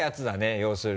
要するに。